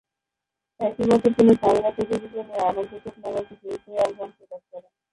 একই বছর তিনি সামিনা চৌধুরীকে নিয়ে "আনন্দ চোখ" নামে একটি দ্বৈত অ্যালবাম প্রকাশ করেন।